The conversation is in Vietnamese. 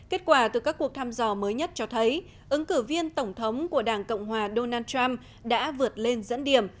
kết quả từ các cuộc thăm dò mới nhất cho thấy ứng cử viên tổng thống của đảng cộng hòa donald trump